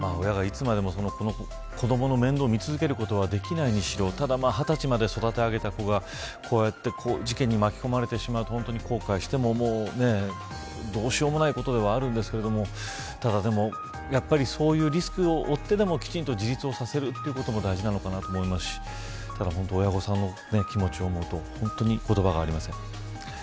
親がいつまでも子どもの面倒を見続けることはできないにしろただ２０歳まで育て上げた子がこうやって事件に巻き込まれてしまうと後悔しても、どうしようもないことでは、あるんですけどただ、でもそういうリスクを負ってでもきちんと自立をさせることも大事なかと思いますし本当ね、親御さんの気持ちを思うと言葉がありません。